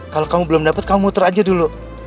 kalo kamu belum dapet kamu muter aja dulu